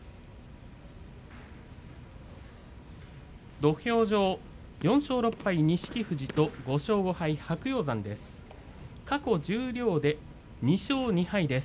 土俵上４勝６敗の錦富士と５勝５敗の白鷹山です。